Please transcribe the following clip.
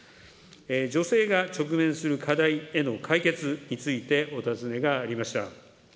女性が直面する課題への解決についてお尋ねがありました。